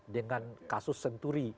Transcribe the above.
dengan kasus senturi